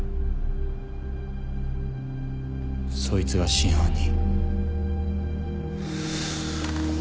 そいつが真犯人。